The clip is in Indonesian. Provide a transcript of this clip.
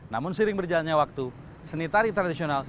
namun sering berjalannya waktu seni tari tradisional